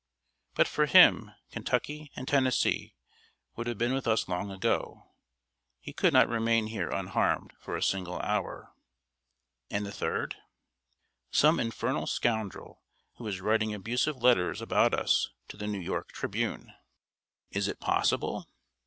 But for him, Kentucky and Tennessee would have been with us long ago. He could not remain here unharmed for a single hour." "And the third?" "Some infernal scoundrel, who is writing abusive letters about us to The New York Tribune." "Is it possible?"